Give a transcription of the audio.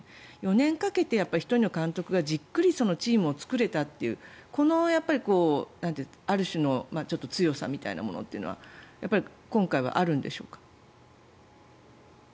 ４年かけて１人の監督がじっくりそのチームを作れたというある種の強さみたいなものは今回はあるんでしょうか？